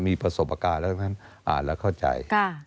มีประสบประกาศอ่านแล้วเข้าใจ